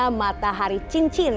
gerhana matahari cincin